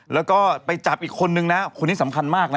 แล้วก็ไปจับอีกคนนึงนะคนนี้สำคัญมากนะ